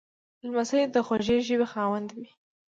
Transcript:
لمسی د خوږې ژبې خاوند وي.